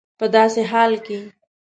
په داسي حال کي